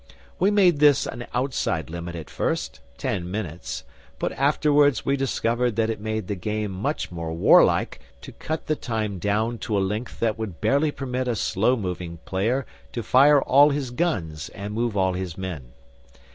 We made this an outside limit at first, ten minutes, but afterwards we discovered that it made the game much more warlike to cut the time down to a length that would barely permit a slow moving player to fire all his guns and move all his men.